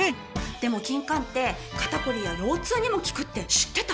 でもキンカンって肩こりや腰痛にも効くって知ってた？